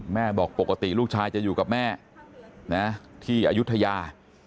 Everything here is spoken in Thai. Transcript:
บอกปกติลูกชายจะอยู่กับแม่นะที่อายุทยา